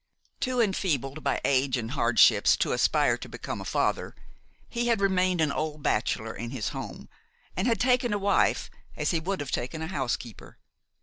Too enfeebled by age and hardships to aspire to become a father, he had remained an old bachelor in his home, and had taken a wife as he would have taken a housekeeper.